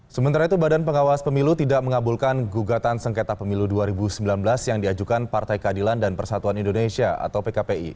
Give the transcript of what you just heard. sementara itu badan pengawas pemilu tidak mengabulkan gugatan sengketa pemilu dua ribu sembilan belas yang diajukan partai keadilan dan persatuan indonesia atau pkpi